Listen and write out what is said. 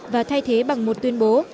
và thay thế bằng một tuyên bố